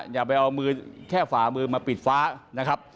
อย่าไปเอามือแค่ฝ่ามือมาปิดฟ้านะครับ